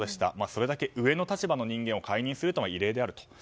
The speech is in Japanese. それだけ上の立場の人間を解任するのは異例であると。